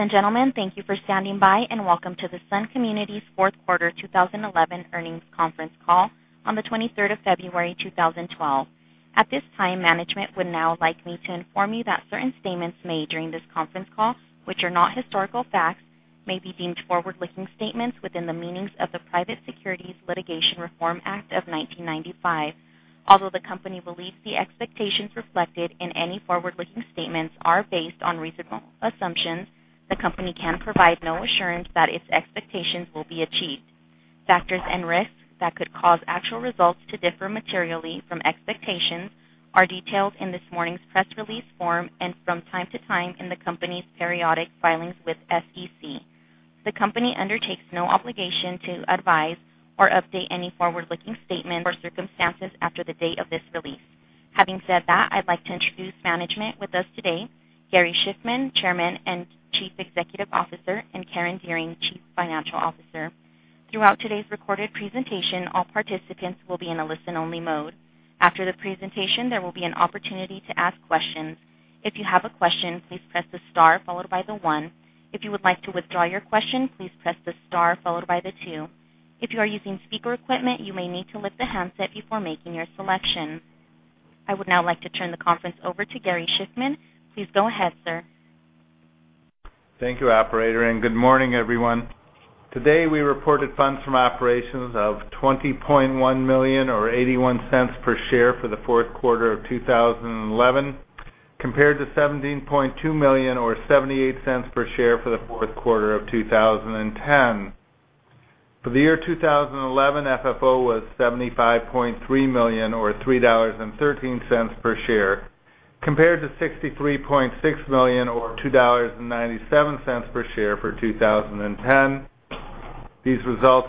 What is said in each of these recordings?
Ladies and gentlemen, thank you for standing by, and welcome to the Sun Communities Fourth Quarter 2011 Earnings Conference Call on the 23rd of February 2012. At this time, management would now like me to inform you that certain statements made during this conference call, which are not historical facts, may be deemed forward-looking statements within the meanings of the Private Securities Litigation Reform Act of 1995. Although the company believes the expectations reflected in any forward-looking statements are based on reasonable assumptions, the company can provide no assurance that its expectations will be achieved. Factors and risks that could cause actual results to differ materially from expectations are detailed in this morning's press release form and from time to time in the company's periodic filings with SEC. The company undertakes no obligation to advise or update any forward-looking statements or circumstances after the date of this release. Having said that, I'd like to introduce management with us today, Gary Shiffman, Chairman and Chief Executive Officer, and Karen Dearing, Chief Financial Officer. Throughout today's recorded presentation, all participants will be in a listen-only mode. After the presentation, there will be an opportunity to ask questions. If you have a question, please press the star followed by the one. If you would like to withdraw your question, please press the star followed by the two. If you are using speaker equipment, you may need to lift the handset before making your selection. I would now like to turn the conference over to Gary Shiffman. Please go ahead, sir. Thank you, operator, and good morning, everyone. Today, we reported funds from operations of $20.1 million or $0.81 per share for the fourth quarter of 2011, compared to $17.2 million or $0.78 per share for the fourth quarter of 2010. For the year 2011, FFO was $75.3 million or $3.13 per share, compared to $63.6 million or $2.97 per share for 2010. These results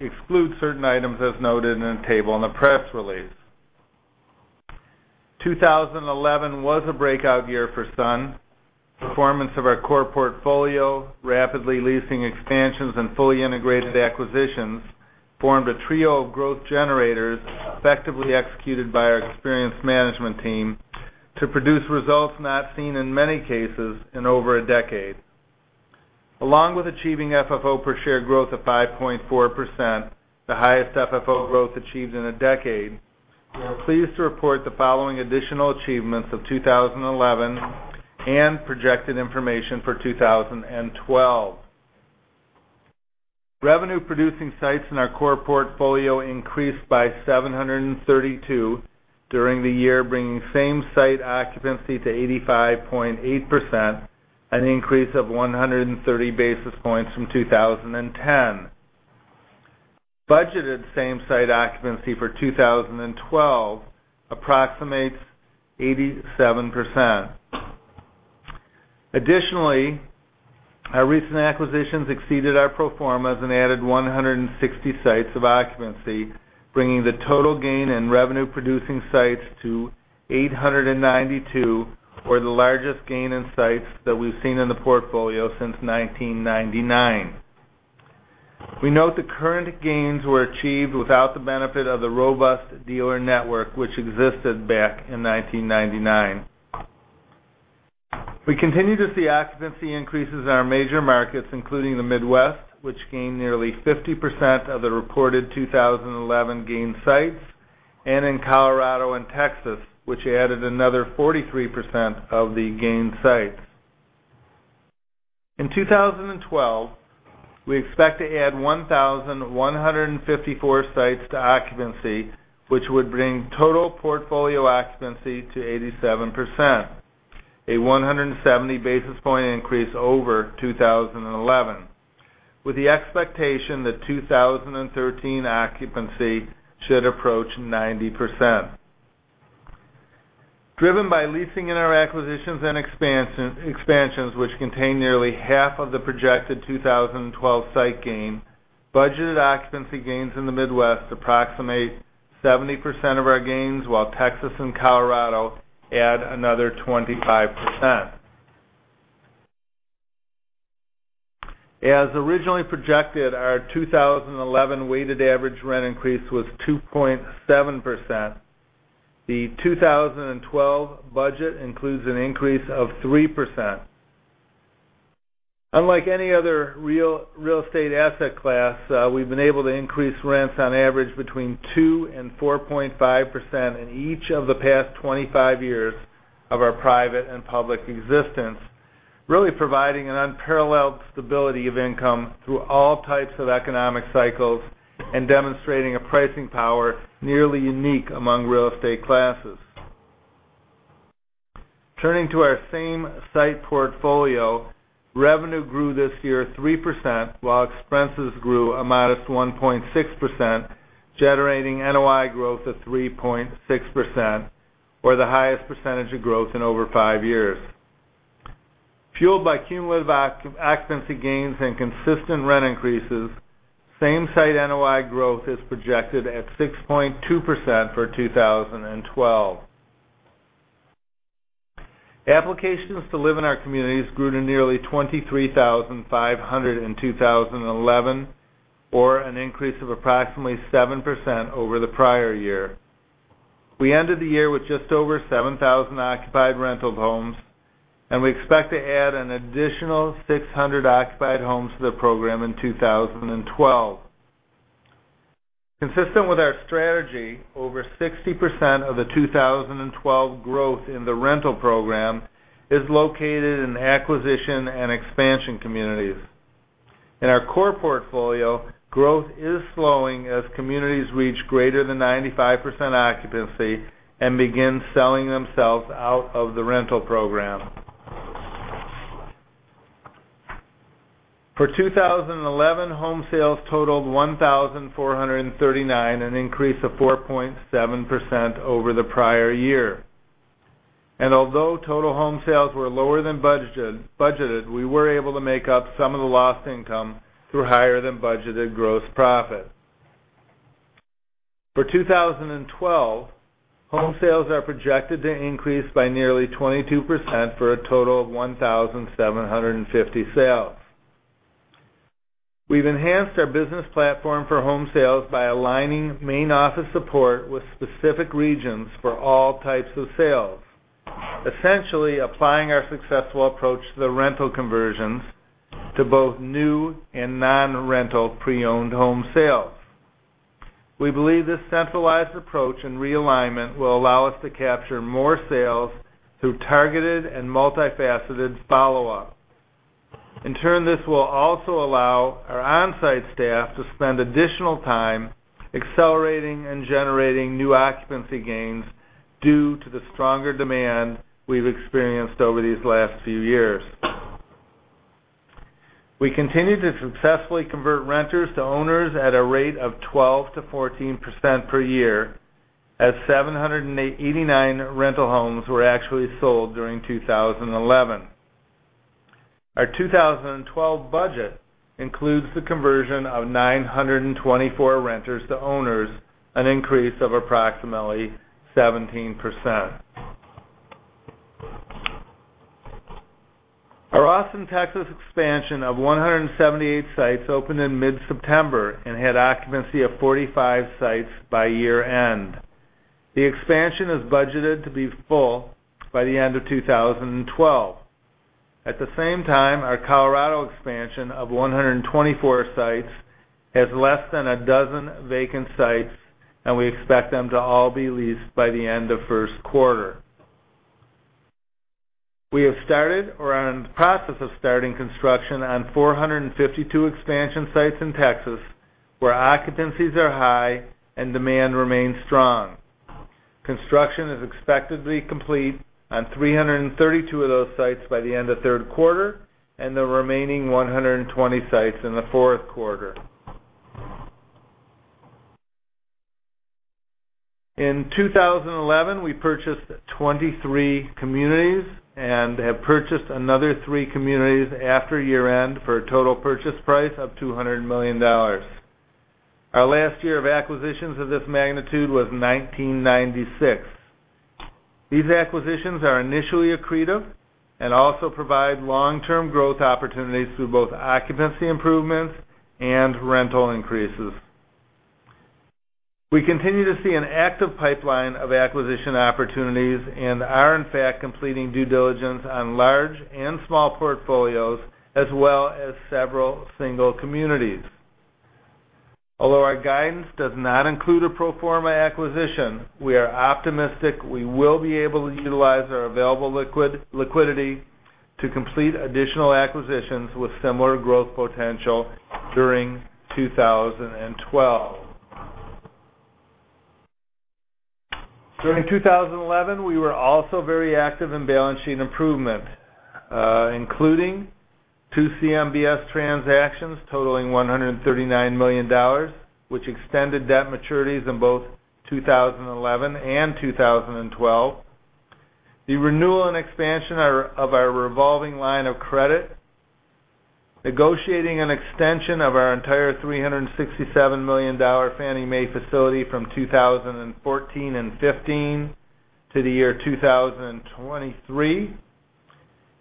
exclude certain items, as noted in a table in the press release. 2011 was a breakout year for Sun. Performance of our core portfolio, rapidly leasing expansions and fully integrated acquisitions formed a trio of growth generators effectively executed by our experienced management team to produce results not seen in many cases in over a decade. Along with achieving FFO per share growth of 5.4%, the highest FFO growth achieved in a decade, we are pleased to report the following additional achievements of 2011 and projected information for 2012. Revenue-producing sites in our core portfolio increased by 732 during the year, bringing same-site occupancy to 85.8%, an increase of 130 basis points from 2010. Budgeted same-site occupancy for 2012 approximates 87%. Additionally, our recent acquisitions exceeded our pro formas and added 160 sites of occupancy, bringing the total gain in revenue-producing sites to 892, or the largest gain in sites that we've seen in the portfolio since 1999. We note the current gains were achieved without the benefit of the robust dealer network, which existed back in 1999. We continue to see occupancy increases in our major markets, including the Midwest, which gained nearly 50% of the reported 2,011 gained sites, and in Colorado and Texas, which added another 43% of the gained sites. In 2012, we expect to add 1,154 sites to occupancy, which would bring total portfolio occupancy to 87%, a 170 basis point increase over 2011, with the expectation that 2013 occupancy should approach 90%. Driven by leasing in our acquisitions and expansions, which contain nearly half of the projected 2012 site gain, budgeted occupancy gains in the Midwest approximate 70% of our gains, while Texas and Colorado add another 25%. As originally projected, our 2011 weighted average rent increase was 2.7%. The 2012 budget includes an increase of 3%. Unlike any other real estate asset class, we've been able to increase rents on average between 2% and 4.5% in each of the past 25 years of our private and public existence, really providing an unparalleled stability of income through all types of economic cycles and demonstrating a pricing power nearly unique among real estate classes. Turning to our same-site portfolio, revenue grew this year 3%, while expenses grew a modest 1.6%, generating NOI growth of 3.6%, or the highest percentage of growth in over 5 years. Fueled by cumulative occupancy gains and consistent rent increases, same-site NOI growth is projected at 6.2% for 2012. Applications to live in our communities grew to nearly 23,500 in 2011, or an increase of approximately 7% over the prior year. We ended the year with just over 7,000 occupied rental homes, and we expect to add an additional 600 occupied homes to the program in 2012. Consistent with our strategy, over 60% of the 2012 growth in the rental program is located in acquisition and expansion communities. In our core portfolio, growth is slowing as communities reach greater than 95% occupancy and begin selling themselves out of the rental program. For 2011, home sales totaled 1,439, an increase of 4.7% over the prior year. Although total home sales were lower than budgeted, we were able to make up some of the lost income through higher-than-budgeted gross profit. For 2012, home sales are projected to increase by nearly 22% for a total of 1,750 sales. We've enhanced our business platform for home sales by aligning main office support with specific regions for all types of sales, essentially applying our successful approach to the rental conversions to both new and non-rental pre-owned home sales. We believe this centralized approach and realignment will allow us to capture more sales through targeted and multifaceted follow-up. In turn, this will also allow our on-site staff to spend additional time accelerating and generating new occupancy gains due to the stronger demand we've experienced over these last few years. We continue to successfully convert renters to owners at a rate of 12%-14% per year, as 789 rental homes were actually sold during 2011. Our 2012 budget includes the conversion of 924 renters to owners, an increase of approximately 17%. Our Austin, Texas, expansion of 178 sites opened in mid-September and had occupancy of 45 sites by year-end. The expansion is budgeted to be full by the end of 2012. At the same time, our Colorado expansion of 124 sites has less than a dozen vacant sites, and we expect them to all be leased by the end of first quarter. We have started or are in the process of starting construction on 452 expansion sites in Texas, where occupancies are high and demand remains strong. Construction is expected to be complete on 332 of those sites by the end of third quarter and the remaining 120 sites in the fourth quarter. In 2011, we purchased 23 communities and have purchased another 3 communities after year-end for a total purchase price of $200 million. Our last year of acquisitions of this magnitude was 1996. These acquisitions are initially accretive and also provide long-term growth opportunities through both occupancy improvements and rental increases. We continue to see an active pipeline of acquisition opportunities and are, in fact, completing due diligence on large and small portfolios, as well as several single communities. Although our guidance does not include a pro forma acquisition, we are optimistic we will be able to utilize our available liquidity to complete additional acquisitions with similar growth potential during 2012. During 2011, we were also very active in balance sheet improvement, including two CMBS transactions totaling $139 million, which extended debt maturities in both 2011 and 2012, the renewal and expansion of our revolving line of credit, negotiating an extension of our entire $367 million Fannie Mae facility from 2014 and 2015 to the year 2023,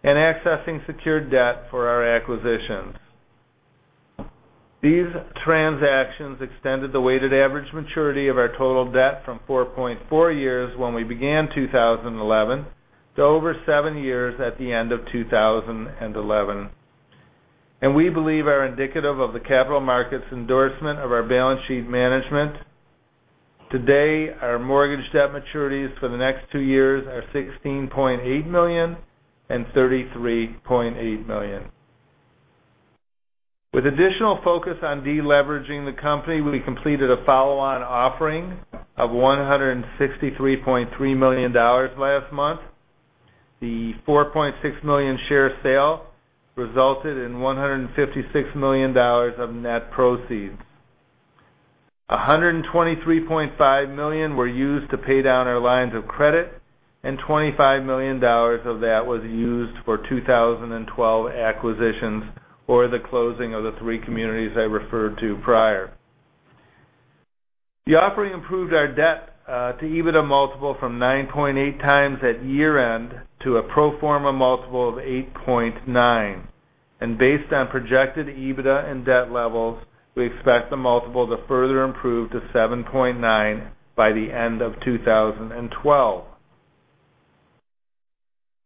and accessing secured debt for our acquisitions. These transactions extended the weighted average maturity of our total debt from 4.4 years when we began 2011 to over 7 years at the end of 2011, and we believe are indicative of the capital market's endorsement of our balance sheet management. Today, our mortgage debt maturities for the next two years are $16.8 million and $33.8 million. With additional focus on deleveraging the company, we completed a follow-on offering of $163.3 million last month. The 4.6 million share sale resulted in $156 million of net proceeds. $123.5 million were used to pay down our lines of credit, and $25 million of that was used for 2012 acquisitions or the closing of the three communities I referred to prior. The offering improved our debt to EBITDA multiple from 9.8x at year-end to a pro forma multiple of 8.9. And based on projected EBITDA and debt levels, we expect the multiple to further improve to 7.9 by the end of 2012.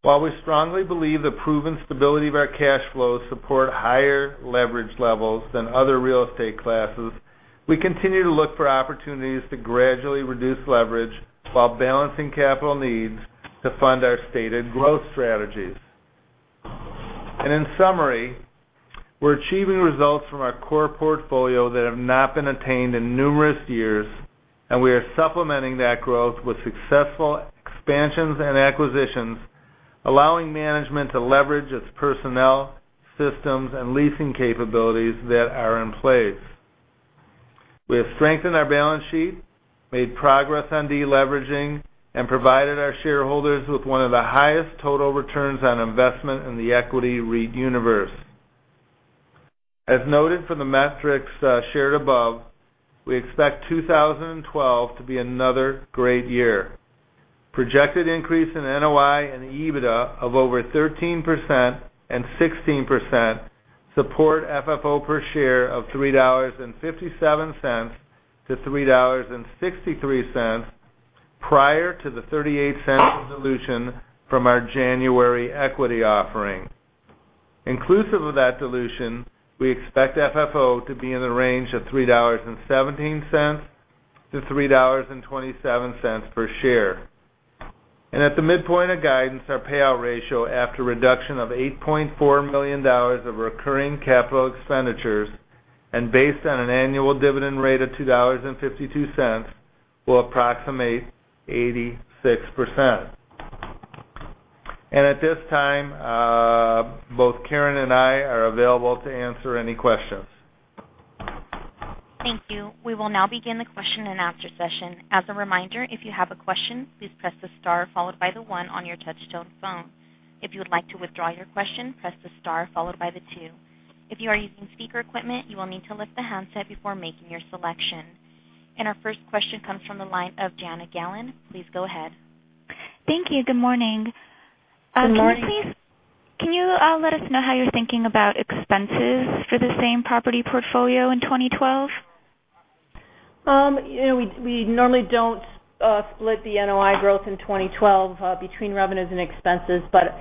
While we strongly believe the proven stability of our cash flows support higher leverage levels than other real estate classes, we continue to look for opportunities to gradually reduce leverage while balancing capital needs to fund our stated growth strategies. In summary, we're achieving results from our core portfolio that have not been attained in numerous years, and we are supplementing that growth with successful expansions and acquisitions, allowing management to leverage its personnel, systems, and leasing capabilities that are in place. We have strengthened our balance sheet, made progress on deleveraging, and provided our shareholders with one of the highest total returns on investment in the equity REIT universe. As noted from the metrics shared above, we expect 2012 to be another great year. Projected increase in NOI and EBITDA of over 13% and 16% support FFO per share of $3.57-$3.63, prior to the $0.38 dilution from our January equity offering. Inclusive of that dilution, we expect FFO to be in the range of $3.17-$3.27 per share. At the midpoint of guidance, our payout ratio after reduction of $8.4 million of recurring capital expenditures and based on an annual dividend rate of $2.52, will approximate 86%. At this time, both Karen and I are available to answer any questions. Thank you. We will now begin the question and answer session. As a reminder, if you have a question, please press the star followed by the one on your touchtone phone. If you would like to withdraw your question, press the star followed by the two. If you are using speaker equipment, you will need to lift the handset before making your selection. Our first question comes from the line of Jana Galan. Please go ahead. Thank you. Good morning. Good morning. Can you let us know how you're thinking about expenses for the same property portfolio in 2012? You know, we normally don't split the NOI growth in 2012 between revenues and expenses. But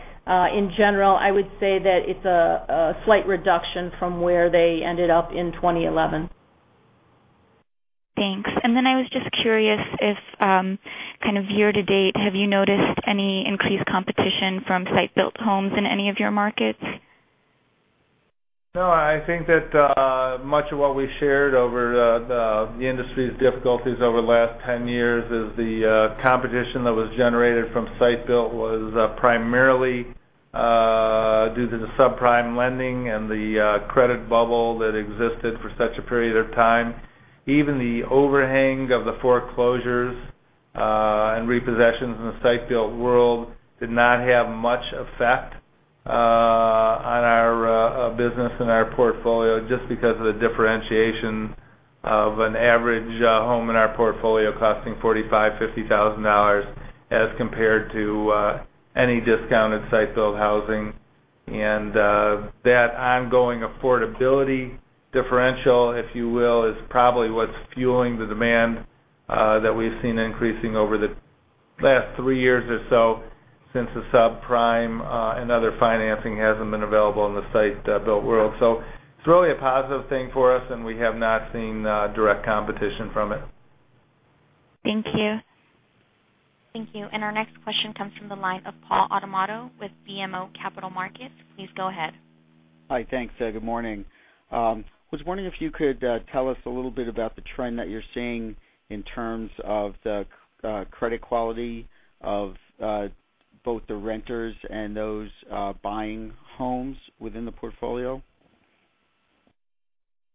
in general, I would say that it's a slight reduction from where they ended up in 2011. Thanks. And then I was just curious if, kind of year to date, have you noticed any increased competition from site-built homes in any of your markets? No, I think that much of what we shared over the industry's difficulties over the last 10 years is the competition that was generated from site-built was primarily due to the subprime lending and the credit bubble that existed for such a period of time. Even the overhang of the foreclosures and repossessions in the site-built world did not have much effect on our business and our portfolio, just because of the differentiation of an average home in our portfolio costing $45,000-$50,000 as compared to any discounted site-built housing. That ongoing affordability differential, if you will, is probably what's fueling the demand that we've seen increasing over the last 3 years or so, since the subprime and other financing hasn't been available in the site-built world. It's really a positive thing for us, and we have not seen direct competition from it. Thank you. Thank you. Our next question comes from the line of Paul Adornato with BMO Capital Markets. Please go ahead. Hi, thanks. Good morning. Was wondering if you could tell us a little bit about the trend that you're seeing in terms of the credit quality of both the renters and those buying homes within the portfolio?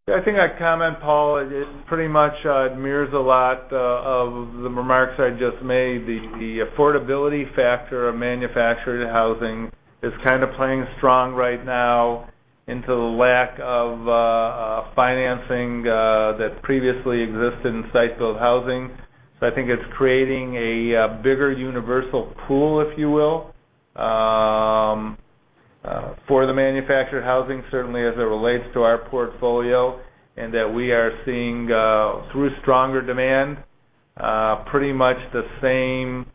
Yeah, I think I comment, Paul, it pretty much mirrors a lot of the remarks I just made. The affordability factor of manufactured housing is kind of playing strong right now into the lack of financing that previously existed in site-built housing. So I think it's creating a bigger universal pool, if you will, for the manufactured housing, certainly as it relates to our portfolio, and that we are seeing through stronger demand pretty much the same,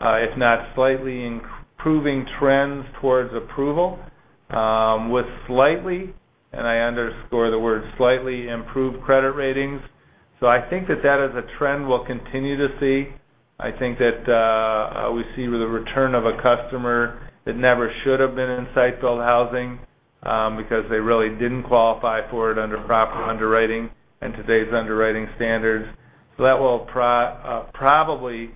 if not slightly improving trends towards approval, with slightly, and I underscore the word slightly, improved credit ratings. So I think that as a trend, we'll continue to see. I think that we see the return of a customer that never should have been in site-built housing, because they really didn't qualify for it under proper underwriting and today's underwriting standards. So that will probably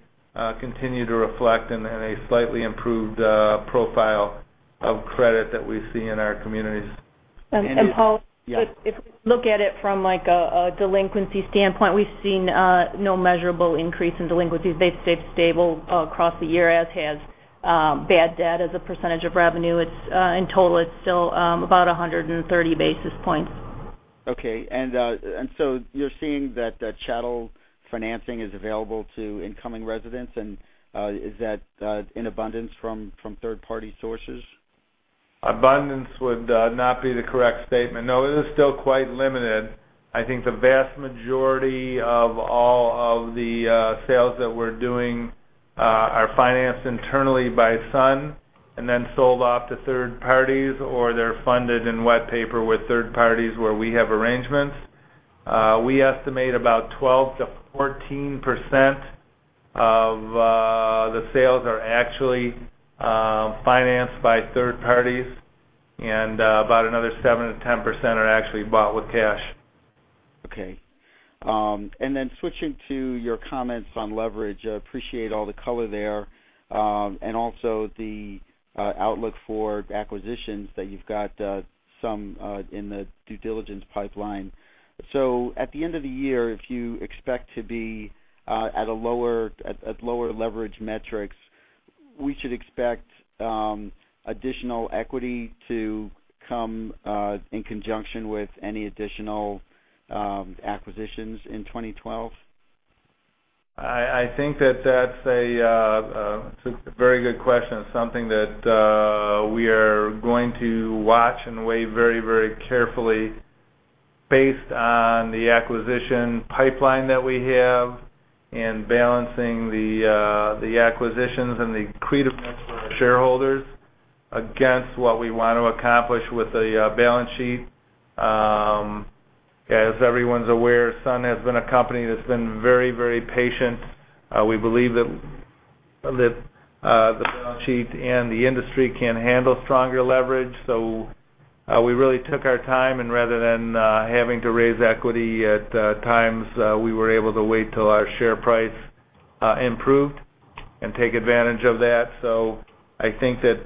continue to reflect in a slightly improved profile of credit that we see in our communities. And Paul? Yeah. If we look at it from like a delinquency standpoint, we've seen no measurable increase in delinquencies. They've stayed stable across the year, as has bad debt as a percentage of revenue. It's in total, it's still about 130 basis points.... Okay, and so you're seeing that the chattel financing is available to incoming residents, and is that in abundance from third-party sources? Abundance would not be the correct statement. No, it is still quite limited. I think the vast majority of all of the sales that we're doing are financed internally by Sun and then sold off to third parties, or they're funded in wet paper with third parties where we have arrangements. We estimate about 12%-14% of the sales are actually financed by third parties, and about another 7%-10% are actually bought with cash. Okay. And then switching to your comments on leverage, I appreciate all the color there, and also the outlook for acquisitions that you've got some in the due diligence pipeline. So at the end of the year, if you expect to be at a lower leverage metrics, we should expect additional equity to come in conjunction with any additional acquisitions in 2012? I think that's a very good question. It's something that we are going to watch and weigh very, very carefully based on the acquisition pipeline that we have and balancing the acquisitions and the accretiveness for our shareholders against what we want to accomplish with the balance sheet. As everyone's aware, Sun has been a company that's been very, very patient. We believe that the balance sheet and the industry can handle stronger leverage. So, we really took our time, and rather than having to raise equity at times, we were able to wait till our share price improved and take advantage of that. So I think that,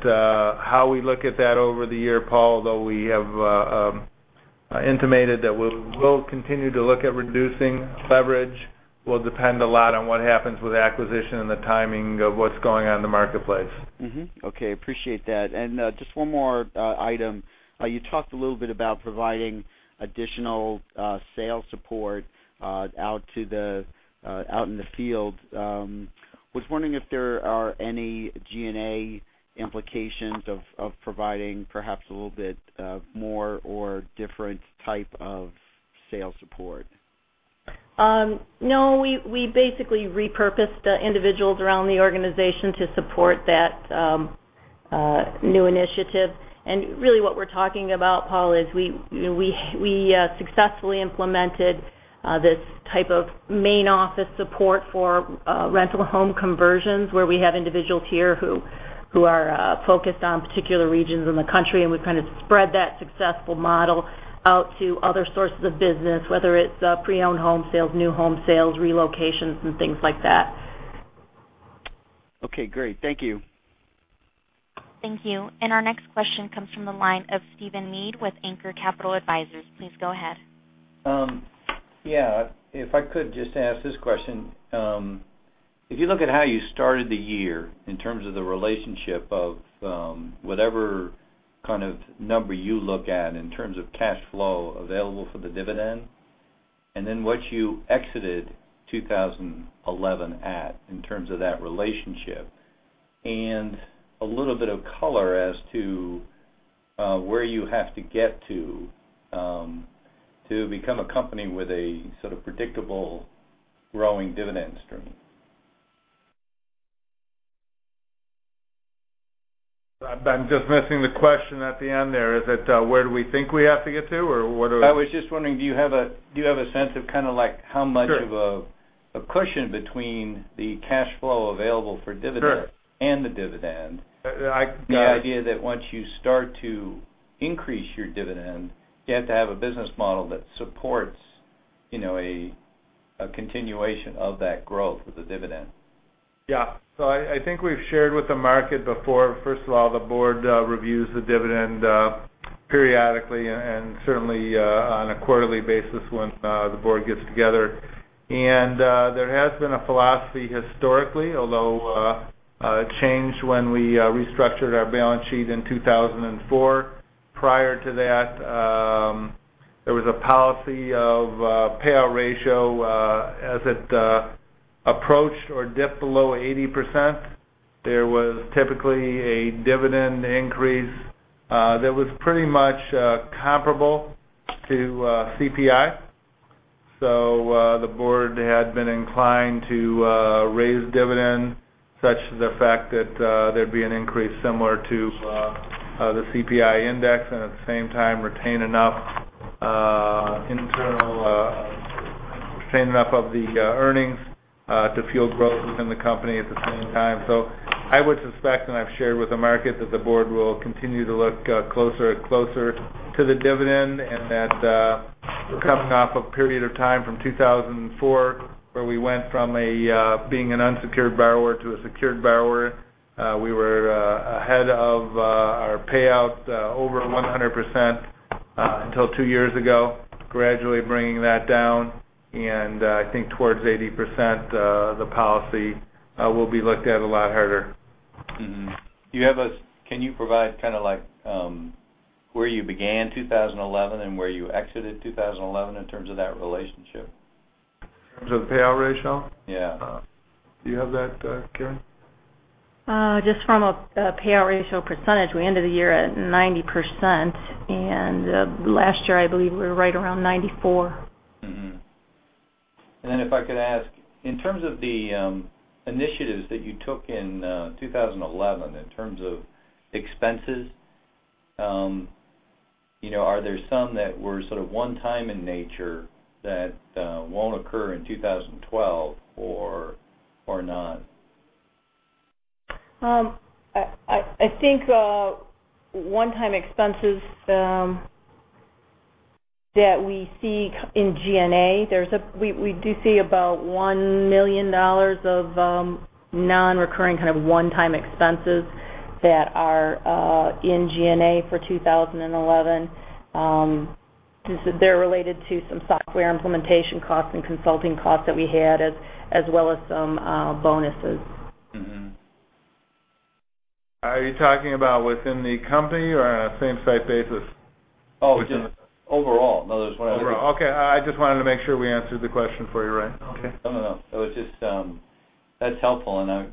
how we look at that over the year, Paul, although we have intimated that we will continue to look at reducing leverage, will depend a lot on what happens with acquisition and the timing of what's going on in the marketplace. Mm-hmm. Okay, appreciate that. And just one more item. You talked a little bit about providing additional sales support out to the out in the field. Was wondering if there are any G&A implications of providing perhaps a little bit more or different type of sales support? No, we basically repurposed the individuals around the organization to support that new initiative. And really, what we're talking about, Paul, is we successfully implemented this type of main office support for rental home conversions, where we have individuals here who are focused on particular regions in the country, and we've kind of spread that successful model out to other sources of business, whether it's pre-owned home sales, new home sales, relocations, and things like that. Okay, great. Thank you. Thank you. Our next question comes from the line of Steven Mead with Anchor Capital Advisors. Please go ahead. Yeah, if I could just ask this question. If you look at how you started the year in terms of the relationship of, whatever kind of number you look at in terms of cash flow available for the dividend, and then what you exited 2011 at in terms of that relationship, and a little bit of color as to, where you have to get to, to become a company with a sort of predictable growing dividend stream. I'm just missing the question at the end there. Is it, where do we think we have to get to, or what are- I was just wondering, do you have a sense of kind of like how much- Sure... of a cushion between the cash flow available for dividend- Sure and the dividend? I, I- The idea that once you start to increase your dividend, you have to have a business model that supports, you know, a continuation of that growth with the dividend. Yeah. So I, I think we've shared with the market before. First of all, the board reviews the dividend periodically, and certainly on a quarterly basis once the board gets together. And there has been a philosophy historically, although it changed when we restructured our balance sheet in 2004. Prior to that, there was a policy of payout ratio as it approached or dipped below 80%, there was typically a dividend increase that was pretty much comparable to CPI. So, the board had been inclined to raise dividends, such as the fact that there'd be an increase similar to the CPI index, and at the same time, retain enough internal retain enough of the earnings to fuel growth within the company at the same time. So I would suspect, and I've shared with the market, that the board will continue to look closer and closer to the dividend, and that we're coming off a period of time from 2004, where we went from a being an unsecured borrower to a secured borrower. We were ahead of our payout over 100% until two years ago, gradually bringing that down. And I think towards 80%, the policy will be looked at a lot harder.... Mm-hmm. Do you have a, can you provide kind of like, where you began 2011 and where you exited 2011 in terms of that relationship? In terms of the Payout Ratio? Yeah. Do you have that, Karen? Just from a payout ratio percentage, we ended the year at 90%, and last year, I believe we were right around 94%. Mm-hmm. And then if I could ask, in terms of the initiatives that you took in 2011, in terms of expenses, you know, are there some that were sort of one time in nature that won't occur in 2012 or, or not? I think one-time expenses that we see in GNA. We do see about $1 million of nonrecurring kind of one-time expenses that are in GNA for 2011. They're related to some software implementation costs and consulting costs that we had, as well as some bonuses. Are you talking about within the company or on a same-site basis? Oh, just overall. No, that's what I- Okay. I just wanted to make sure we answered the question for you, Ray. Okay. No, no, no. It was just... That's helpful. And,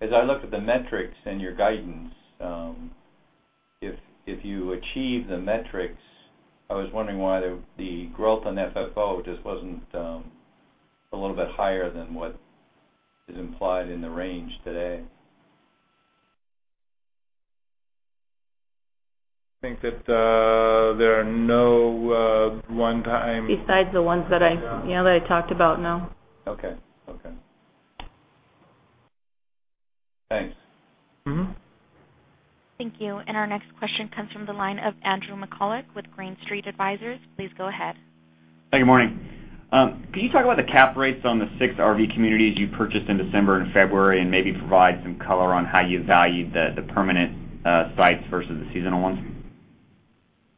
as I looked at the metrics and your guidance, if you achieve the metrics, I was wondering why the growth on FFO just wasn't a little bit higher than what is implied in the range today. I think that there are no one-time- Besides the ones that I, you know, that I talked about, no. Okay. Okay. Thanks. Thank you. Our next question comes from the line of Andrew McCulloch with Green Street Advisors. Please go ahead. Hi, good morning. Can you talk about the cap rates on the six RV communities you purchased in December and February, and maybe provide some color on how you valued the, the permanent sites versus the seasonal ones?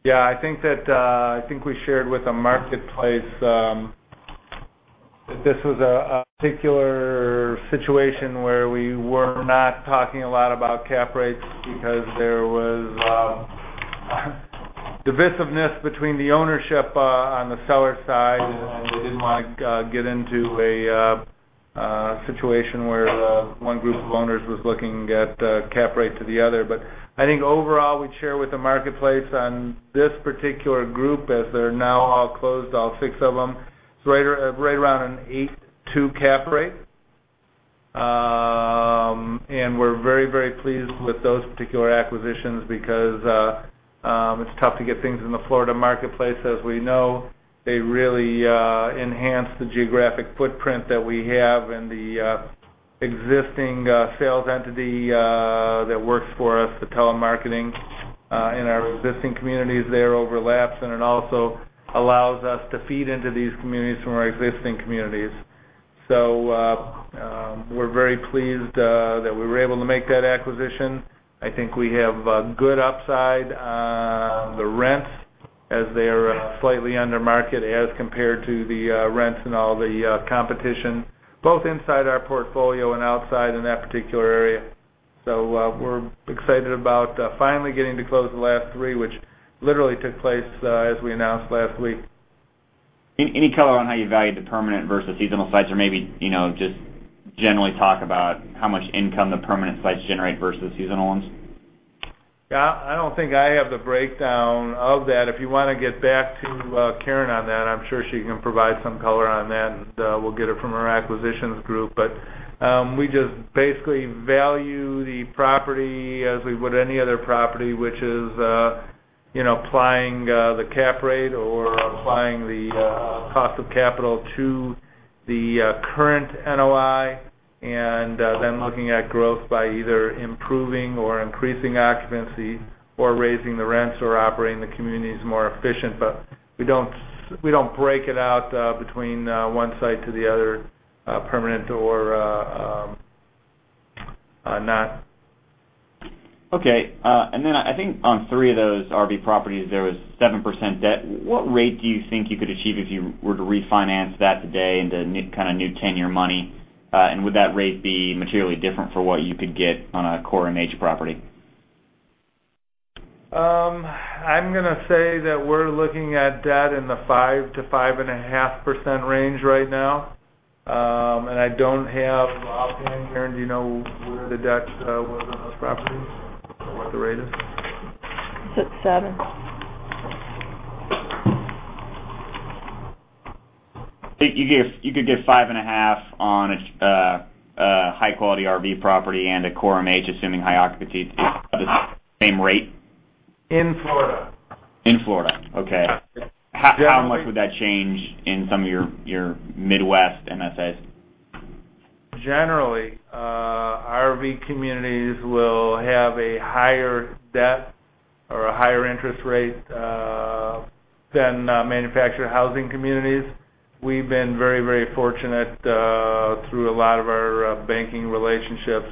Yeah, I think that, I think we shared with the marketplace, that this was a particular situation where we were not talking a lot about cap rates because there was, divisiveness between the ownership, on the seller side, and we didn't want to, get into a situation where, one group of owners was looking at, cap rate to the other. But I think overall, we'd share with the marketplace on this particular group, as they're now all closed, all six of them, it's right around an 8.2 cap rate. And we're very, very pleased with those particular acquisitions because, it's tough to get things in the Florida marketplace, as we know. They really enhance the geographic footprint that we have and the existing sales entity that works for us, the telemarketing in our existing communities there overlaps, and it also allows us to feed into these communities from our existing communities. So, we're very pleased that we were able to make that acquisition. I think we have a good upside on the rents as they are slightly under market as compared to the rents and all the competition, both inside our portfolio and outside in that particular area. So, we're excited about finally getting to close the last three, which literally took place as we announced last week. Any, any color on how you valued the permanent versus seasonal sites? Or maybe, you know, just generally talk about how much income the permanent sites generate versus the seasonal ones. Yeah, I don't think I have the breakdown of that. If you wanna get back to, Karen on that, I'm sure she can provide some color on that, and, we'll get it from her acquisitions group. But, we just basically value the property as we would any other property, which is, you know, applying, the cap rate or applying the, cost of capital to the, current NOI, and, then looking at growth by either improving or increasing occupancy, or raising the rents, or operating the communities more efficient. But we don't, we don't break it out, between, one site to the other, permanent or, not. Okay. And then I think on three of those RV properties, there was 7% debt. What rate do you think you could achieve if you were to refinance that today into kind of new 10-year money? And would that rate be materially different from what you could get on a core MH property? I'm gonna say that we're looking at debt in the 5%-5.5% range right now. I don't have... Karen, do you know where the debt was on those properties, or what the rate is? It's at 7. You could get 5.5 on a high-quality RV property and a core MH, assuming high occupancy, the same rate? In Florida. In Florida, okay. Yeah. How much would that change in some of your Midwest MSAs? Generally, RV communities will have a higher debt or a higher interest rate than manufactured housing communities. We've been very, very fortunate through a lot of our banking relationships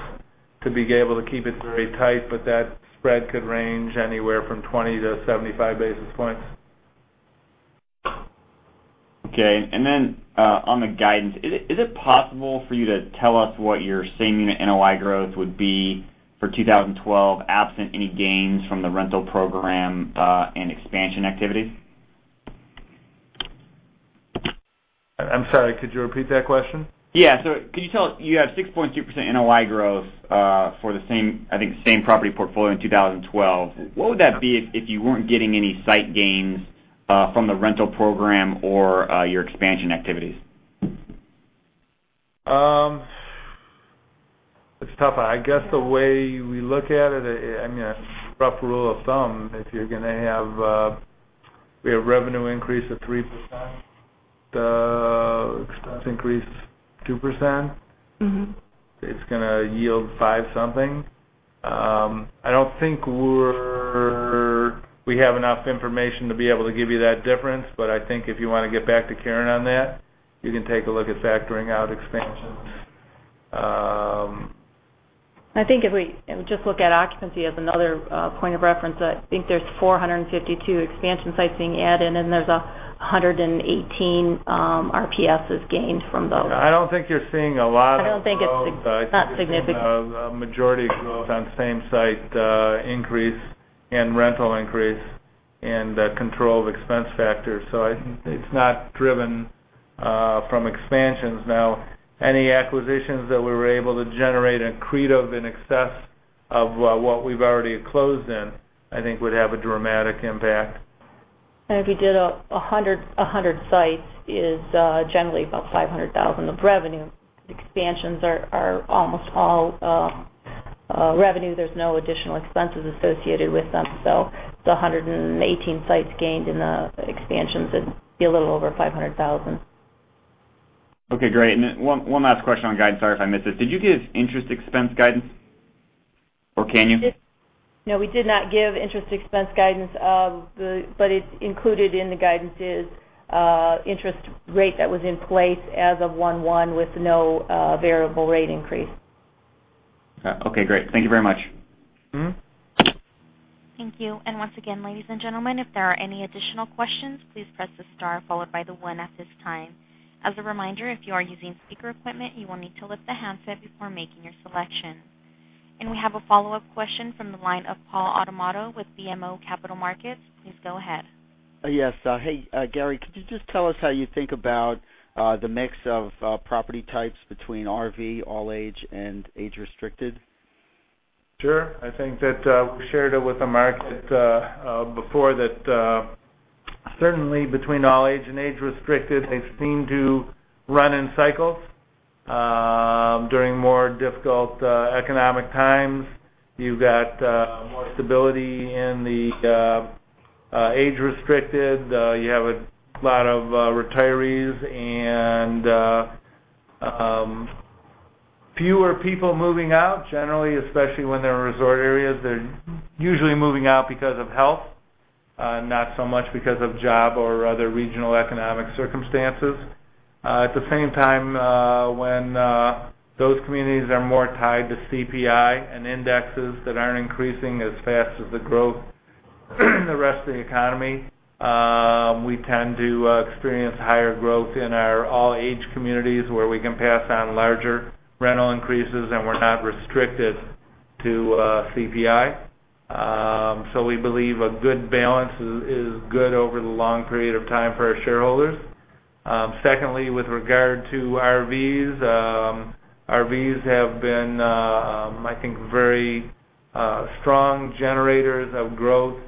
to be able to keep it very tight, but that spread could range anywhere from 20-75 basis points. ... Okay, and then, on the guidance, is it possible for you to tell us what your same-unit NOI growth would be for 2012, absent any gains from the rental program, and expansion activity? I'm sorry, could you repeat that question? Yeah. So could you tell us, you have 6.2% NOI growth for the same, I think, same property portfolio in 2012. What would that be if you weren't getting any site gains from the rental program or your expansion activities? It's tough. I guess the way we look at it, I mean, a rough rule of thumb, if you're gonna have, we have revenue increase of 3%, the expense increase 2%- It's gonna yield five something. I don't think we have enough information to be able to give you that difference, but I think if you wanna get back to Karen on that, you can take a look at factoring out expansions. I think if we just look at occupancy as another point of reference, I think there's 452 expansion sites being added, and there's 118 RPS is gained from those. I don't think you're seeing a lot of growth- I don't think it's not significant. I think a majority of growth on same site increase and rental increase and control of expense factors. So I think it's not driven from expansions. Now, any acquisitions that we were able to generate accretive in excess of what we've already closed in, I think would have a dramatic impact. If you did 100, 100 sites is generally about $500,000 of revenue. Expansions are almost all revenue. There's no additional expenses associated with them. So the 118 sites gained in the expansions, it'd be a little over $500,000. Okay, great. One last question on guidance. Sorry, if I missed this. Did you give interest expense guidance, or can you? No, we did not give interest expense guidance of the... But it's included in the guidances, interest rate that was in place as of 1/1, with no variable rate increase. Okay, great. Thank you very much. Thank you. And once again, ladies and gentlemen, if there are any additional questions, please press the star followed by the one at this time. As a reminder, if you are using speaker equipment, you will need to lift the handset before making your selection. And we have a follow-up question from the line of Paul Adornato with BMO Capital Markets. Please go ahead. Yes. Hey, Gary, could you just tell us how you think about the mix of property types between RV, all age, and age restricted? Sure. I think that we shared it with the market before that, certainly between all age and age restricted, they seem to run in cycles. During more difficult economic times, you've got more stability in the age restricted. You have a lot of retirees and fewer people moving out. Generally, especially when they're in resort areas, they're usually moving out because of health, not so much because of job or other regional economic circumstances. At the same time, when those communities are more tied to CPI and indexes that aren't increasing as fast as the growth in the rest of the economy, we tend to experience higher growth in our all-age communities, where we can pass on larger rental increases, and we're not restricted to CPI. So we believe a good balance is good over the long period of time for our shareholders. Secondly, with regard to RVs, RVs have been, I think, very strong generators of growth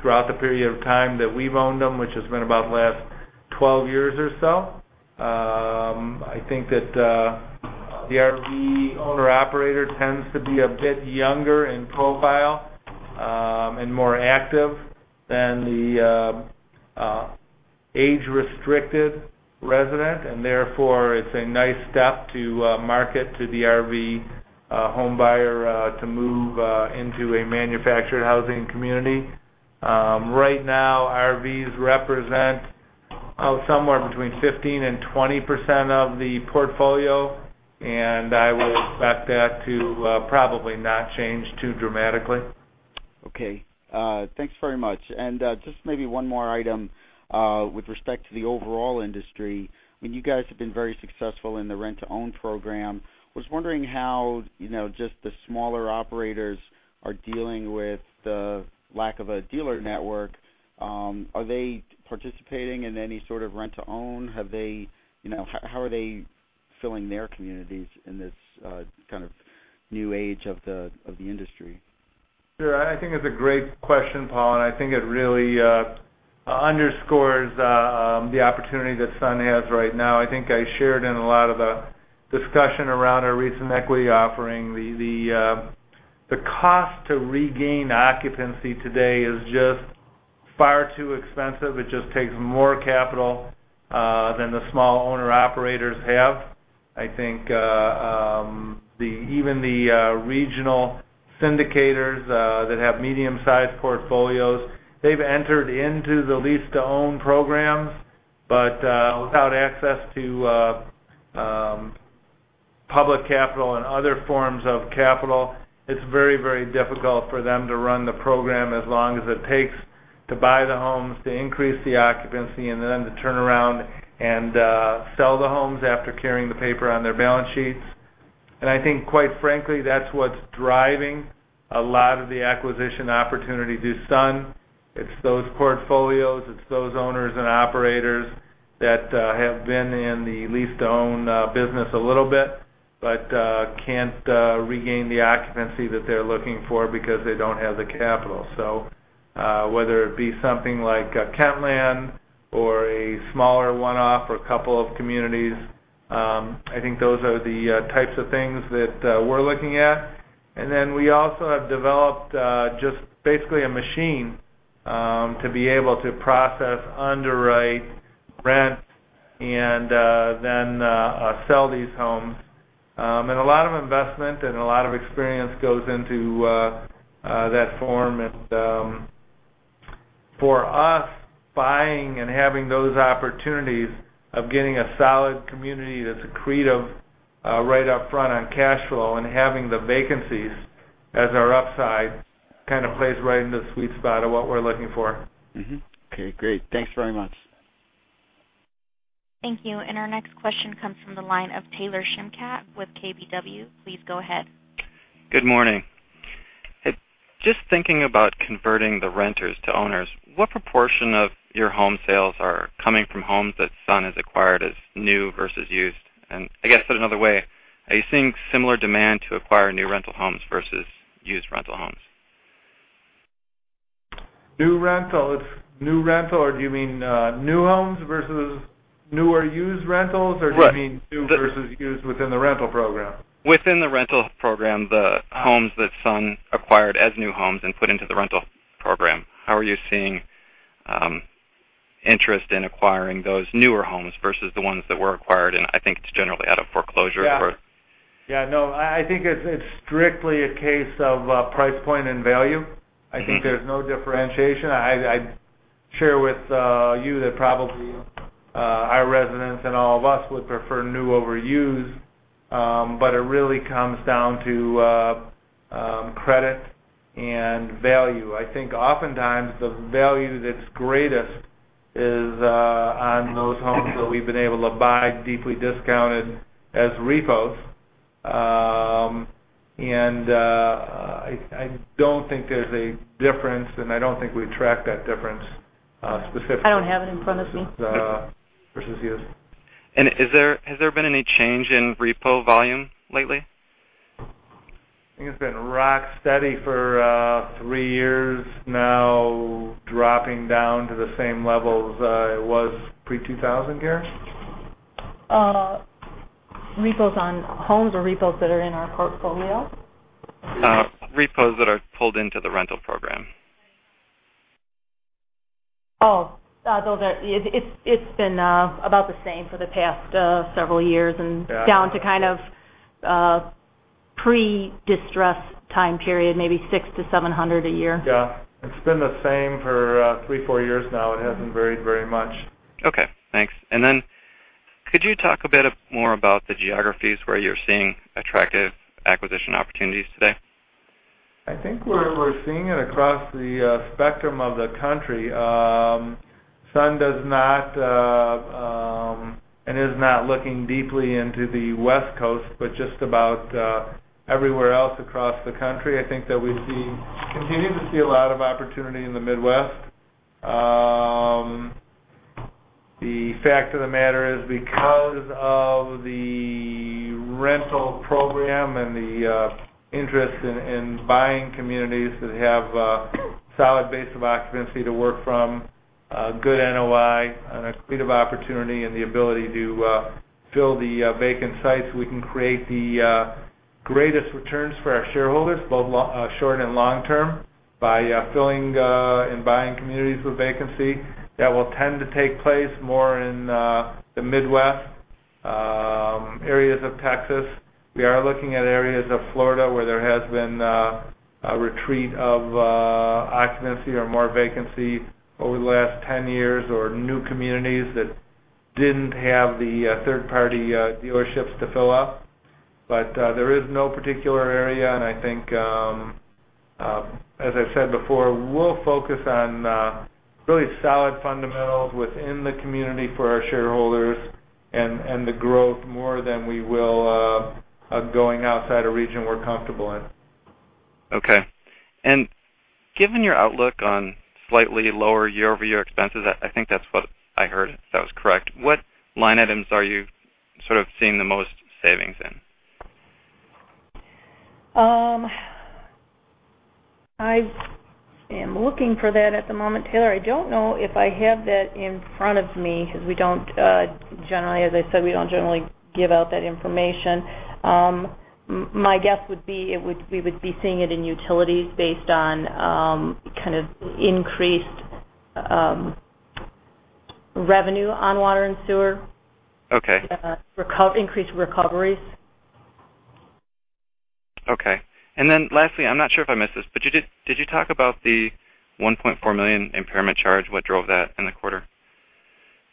throughout the period of time that we've owned them, which has been about the last 12 years or so. I think that the RV owner-operator tends to be a bit younger in profile and more active than the age-restricted resident, and therefore, it's a nice step to market to the RV homebuyer to move into a manufactured housing community. Right now, RVs represent somewhere between 15% and 20% of the portfolio, and I would expect that to probably not change too dramatically. Okay, thanks very much. And, just maybe one more item, with respect to the overall industry. When you guys have been very successful in the rent-to-own program, I was wondering how, you know, just the smaller operators are dealing with the lack of a dealer network. Are they participating in any sort of rent-to-own? Have they, you know, how are they filling their communities in this kind of new age of the industry? Sure. I think it's a great question, Paul, and I think it really underscores the opportunity that Sun has right now. I think I shared in a lot of the discussion around our recent equity offering. The cost to regain occupancy today is just far too expensive. It just takes more capital than the small owner-operators have. I think even the regional syndicators that have medium-sized portfolios, they've entered into the lease-to-own programs, but without access to public capital and other forms of capital, it's very, very difficult for them to run the program as long as it takes to buy the homes, to increase the occupancy, and then to turn around and sell the homes after carrying the paper on their balance sheets. And I think, quite frankly, that's what's driving a lot of the acquisition opportunity to Sun. It's those portfolios, it's those owners and operators that have been in the lease-to-own business a little bit, but can't regain the occupancy that they're looking for because they don't have the capital. So, whether it be something like Kentland or a smaller one-off or a couple of communities, I think those are the types of things that we're looking at. And then we also have developed just basically a machine to be able to process, underwrite, rent, and then sell these homes. And a lot of investment and a lot of experience goes into that form. For us, buying and having those opportunities of getting a solid community that's accretive right up front on cash flow and having the vacancies as our upside, kind of plays right into the sweet spot of what we're looking for. Mm-hmm. Okay, great. Thanks very much. Thank you. Our next question comes from the line of Taylor Schimkat with KBW. Please go ahead. Good morning. Just thinking about converting the renters to owners, what proportion of your home sales are coming from homes that Sun has acquired as new versus used? And I guess, said another way, are you seeing similar demand to acquire new rental homes versus used rental homes? New rental. It's new rental, or do you mean, new homes versus new or used rentals? Right. Or do you mean new versus used within the rental program? Within the rental program, the homes that Sun acquired as new homes and put into the rental program, how are you seeing interest in acquiring those newer homes versus the ones that were acquired, and I think it's generally out of foreclosure? Yeah. Yeah, no, I think it's strictly a case of price point and value. Mm-hmm. I think there's no differentiation. I'd share with you that probably our residents and all of us would prefer new over used, but it really comes down to credit and value. I think oftentimes, the value that's greatest is on those homes that we've been able to buy deeply discounted as repos. I don't think there's a difference, and I don't think we track that difference specifically. I don't have it in front of me. Versus used. And has there been any change in repo volume lately? I think it's been rock steady for three years now, dropping down to the same levels it was pre-2000, Gary? Repos on homes or repos that are in our portfolio? repos that are pulled into the rental program. Oh, those are. It's been about the same for the past several years and- Yeah... down to kind of, pre-distress time period, maybe 600-700 a year. Yeah. It's been the same for, 3, 4 years now. It hasn't varied very much. Okay, thanks. Then, could you talk a bit more about the geographies where you're seeing attractive acquisition opportunities today? I think we're seeing it across the spectrum of the country. Sun does not and is not looking deeply into the West Coast, but just about everywhere else across the country. I think that we continue to see a lot of opportunity in the Midwest. The fact of the matter is, because of the rental program and the interest in buying communities that have a solid base of occupancy to work from, a good NOI, and accretive opportunity, and the ability to fill the vacant sites, we can create the greatest returns for our shareholders, both short and long term, by filling and buying communities with vacancy. That will tend to take place more in the Midwest areas of Texas. We are looking at areas of Florida, where there has been a retreat of occupancy or more vacancy over the last 10 years, or new communities that didn't have the third-party dealerships to fill up. But there is no particular area, and I think, as I've said before, we'll focus on really solid fundamentals within the community for our shareholders and the growth more than we will going outside a region we're comfortable in. Okay. Given your outlook on slightly lower year-over-year expenses, I think that's what I heard, if that was correct. What line items are you sort of seeing the most savings in? I am looking for that at the moment, Taylor. I don't know if I have that in front of me, because we don't generally, as I said, we don't generally give out that information. My guess would be, we would be seeing it in utilities based on kind of increased revenue on water and sewer. Okay. Increased recoveries.... Okay. And then lastly, I'm not sure if I missed this, but did you talk about the $1.4 million impairment charge? What drove that in the quarter?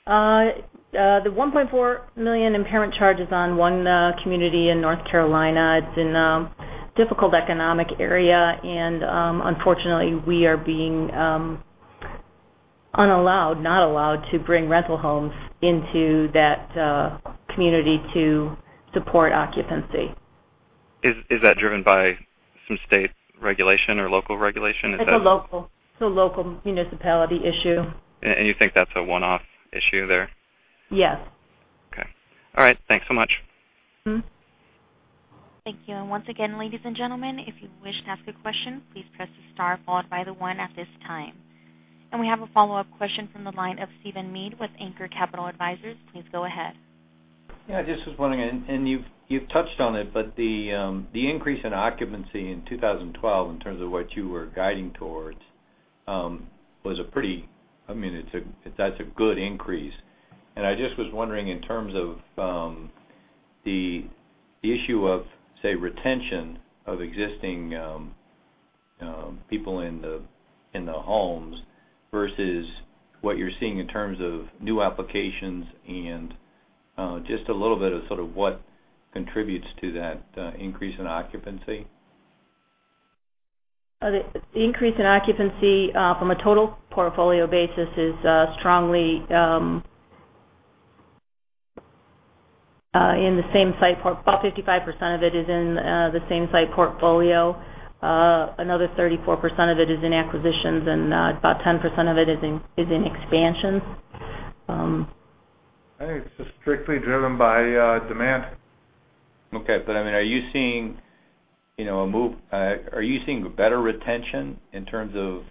The $1.4 million impairment charge is on one community in North Carolina. It's in a difficult economic area, and unfortunately, we are being unallowed, not allowed to bring rental homes into that community to support occupancy. Is that driven by some state regulation or local regulation? Is that- It's a local municipality issue. You think that's a one-off issue there? Yes. Okay. All right. Thanks so much. Thank you. Once again, ladies and gentlemen, if you wish to ask a question, please press the star followed by the one at this time. We have a follow-up question from the line of Steven Mead with Anchor Capital Advisors. Please go ahead. Yeah, I just was wondering, and you've touched on it, but the increase in occupancy in 2012, in terms of what you were guiding towards, was a pretty, I mean, it's a, that's a good increase. And I just was wondering, in terms of the issue of, say, retention of existing people in the homes versus what you're seeing in terms of new applications and just a little bit of sort of what contributes to that increase in occupancy. The increase in occupancy from a total portfolio basis is strongly in the same-site, about 55% of it is in the same-site portfolio. Another 34% of it is in acquisitions, and about 10% of it is in expansion. I think it's strictly driven by demand. Okay. But, I mean, are you seeing, you know, a move- are you seeing better retention in terms of,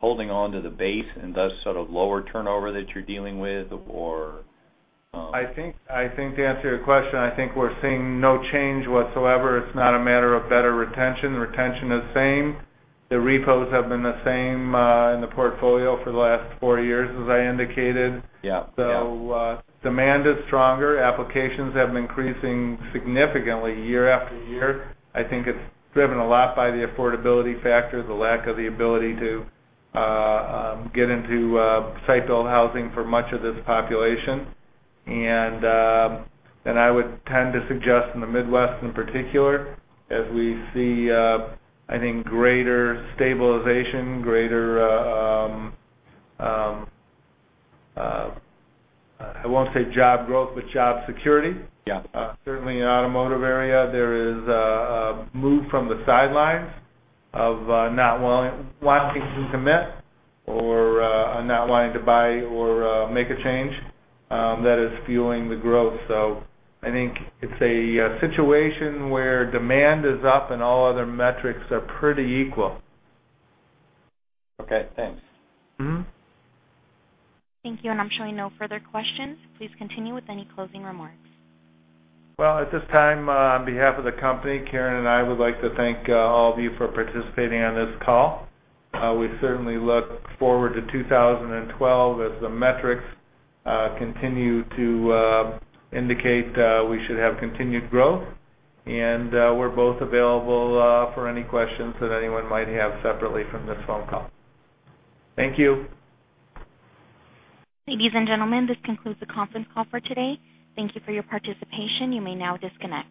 holding on to the base and, thus, sort of lower turnover that you're dealing with or, I think, I think to answer your question, I think we're seeing no change whatsoever. It's not a matter of better retention. Retention is the same. The repos have been the same, in the portfolio for the last four years, as I indicated. Yeah. Yeah. So, demand is stronger. Applications have been increasing significantly year after year. I think it's driven a lot by the affordability factor, the lack of the ability to get into site-built housing for much of this population. And I would tend to suggest in the Midwest, in particular, as we see, I think greater stabilization, greater, I won't say job growth, but job security. Yeah. Certainly in the automotive area, there is a move from the sidelines of not wanting to commit or not wanting to buy or make a change that is fueling the growth. So I think it's a situation where demand is up and all other metrics are pretty equal. Okay, thanks. Thank you, and I'm showing no further questions. Please continue with any closing remarks. Well, at this time, on behalf of the company, Karen and I would like to thank all of you for participating on this call. We certainly look forward to 2012 as the metrics continue to indicate we should have continued growth. We're both available for any questions that anyone might have separately from this phone call. Thank you. Ladies and gentlemen, this concludes the conference call for today. Thank you for your participation. You may now disconnect.